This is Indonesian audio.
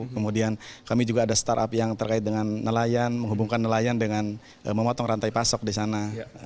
kemudian kami juga ada startup yang terkait dengan nelayan menghubungkan nelayan dengan memotong rantai pasok di sana